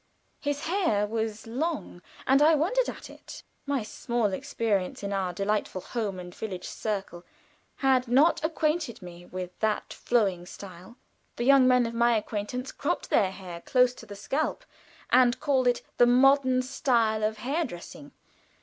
His hair was long, and I wondered at it. My small experience in our delightful home and village circle had not acquainted me with that flowing style; the young men of my acquaintance cropped their hair close to the scalp, and called it the modern style of hair dressing.